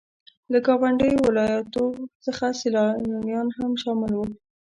له ګاونډيو ولاياتو څخه سيلانيان هم شامل وو.